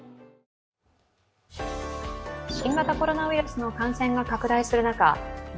新型コロナウイルスの感染が拡大する中